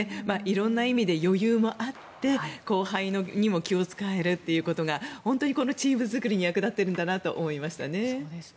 色んな意味で余裕もあって後輩にも気を使えるということが本当にチーム作りに役立ってるんだと思いましたね。